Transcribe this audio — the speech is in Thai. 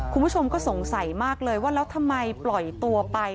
คุณผู้ชมก็สงสัยมากเลยว่าแล้วทำไมปล่อยตัวไป